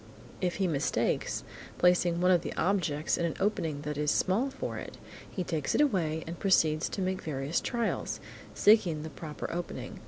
If he mistakes, placing one of the objects in an opening that is small for it, he takes it away, and proceeds to make various trials, seeking the proper opening.